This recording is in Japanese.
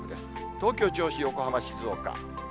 東京、銚子、横浜、静岡。